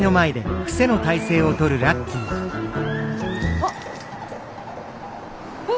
あっ。